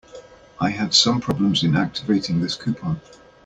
I had some problems in activating this coupon.